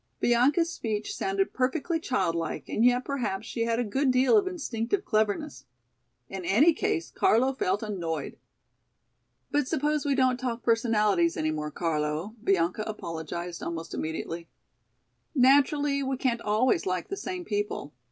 Bianca's speech sounded perfectly childlike and yet perhaps she had a good deal of instinctive cleverness. In any case Carlo felt annoyed. "But suppose we don't talk personalities any more, Carlo," Bianca apologized almost immediately. "Naturally we can't always like the same people.